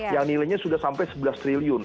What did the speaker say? yang nilainya sudah sampai sebelas triliun